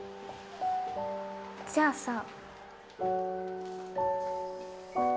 じゃあさ。